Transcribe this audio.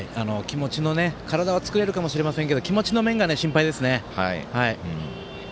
体は作れるかもしれませんが気持ちの面が心配ですね。